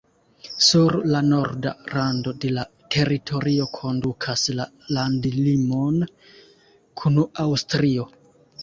Sur la norda rando de la teritorio kondukas la landlimon kun Aŭstrio.